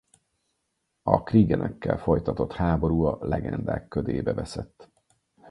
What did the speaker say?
A kreeganekkel folytatott háború a legendák ködébe veszett.